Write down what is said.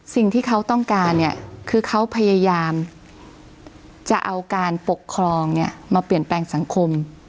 สิ่งที่เขาต้องการเนี่ยคือเขาพยายามจะเอาการปกครองเนี่ยมาเปลี่ยนแปลงสังคม